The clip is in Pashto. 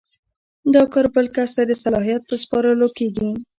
دا کار بل کس ته د صلاحیت په سپارلو کیږي.